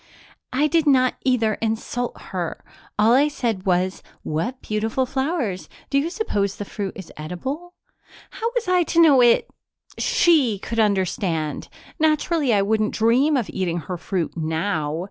"I did not either insult her. All I said was, 'What beautiful flowers do you suppose the fruit is edible?' How was I to know it she could understand? Naturally I wouldn't dream of eating her fruit now.